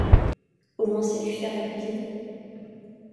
Au moins, sais-tu faire la cuisine ?